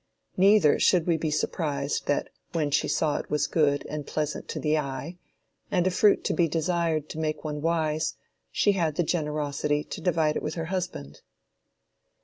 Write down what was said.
Neither should we be surprised that when she saw it was good and pleasant to the eye, and a fruit to be desired to make one wise, she had the generosity to divide with her husband.